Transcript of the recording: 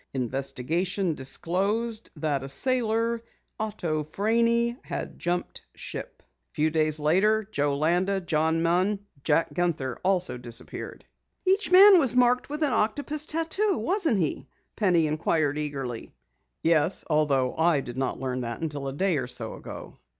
Investigation disclosed that a sailor, Otto Franey, had jumped ship. A few days later Joe Landa, John Munn and Jack Guenther also disappeared." "Each man was marked with an octopus tattoo, wasn't he?" Penny inquired eagerly. "Yes, although I did not learn that until a day or so ago.